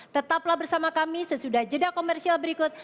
tetaplah bersama kami sesudah jeda komersial berikut